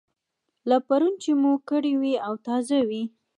لکه پرون چې مو کړې وي او تازه وي.